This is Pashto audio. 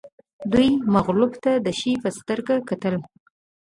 دوی مغلوب ته د شي په سترګه کتل